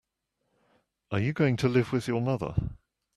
Are you going to live with your mother?